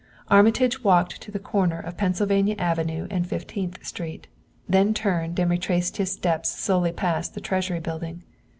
Armitage walked to the corner of Pennsylvania Avenue and Fifteenth Street, then turned and retraced his steps slowly past the Treasury Building.